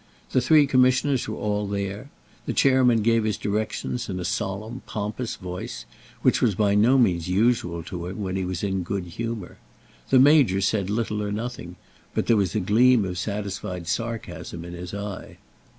The three Commissioners were all there. The Chairman gave his directions in a solemn, pompous voice, which was by no means usual to him when he was in good humour. The Major said little or nothing; but there was a gleam of satisfied sarcasm in his eye.